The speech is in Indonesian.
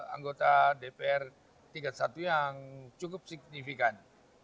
anggota dpr tiga puluh satu yang cukup signifikan